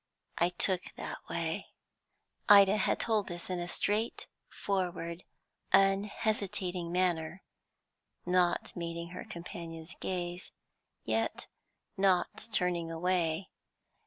I took that way." Ida had told this in a straightforward, unhesitating manner, not meeting her companion's gaze, yet not turning away.